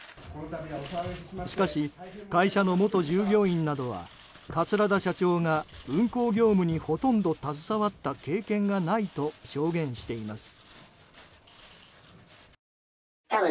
しかし、会社の元従業員などは桂田社長が運航業務にほとんど携わった経験がないと証言しています。